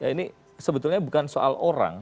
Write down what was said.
ini sebetulnya bukan soal orang